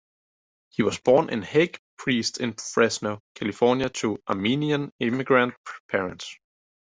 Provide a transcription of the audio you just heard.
He was born Haig Prieste in Fresno, California to Armenian immigrant parents.